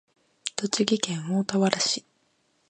栃木県大田原市